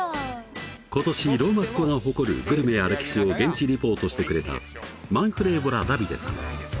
今年ローマっ子が誇るグルメや歴史を現地リポートしてくれたマンフレーヴォラ・ダヴィデさん